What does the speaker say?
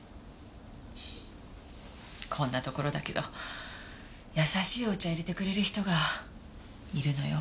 こんな所だけど優しいお茶を淹れてくれる人がいるのよ。